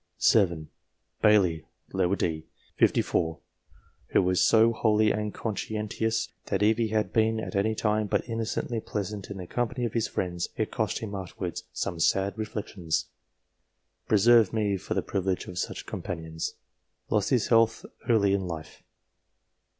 7. Baily, d. set. 54, who was so holy and conscientious, "that if he had been at any time but innocently pleasant in the company of his friends, it cost him afterwards some sad reflections " (preserve me from the privilege of such companions !); lost his health early in life.